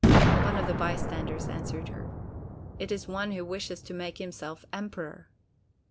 One of the bystanders answered her: "It is one who wished to make himself Emperor."